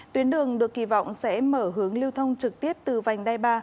tuyến đường được kỳ vọng sẽ mở hướng lưu thông trực tiếp từ vành đai ba